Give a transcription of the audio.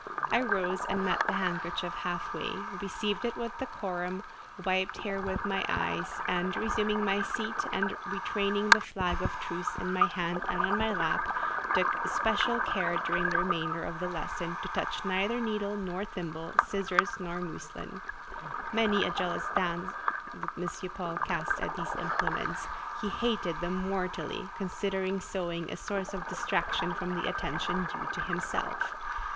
I rose and met the handkerchief half way, received it with decorum, wiped therewith my eyes, and, resuming my seat, and retaining the flag of truce in my hand and on my lap, took especial care during the remainder of the lesson to touch neither needle nor thimble, scissors nor muslin. Many a jealous glance did M. Paul cast at these implements; he hated them mortally, considering sewing a source of distraction from the attention due to himself.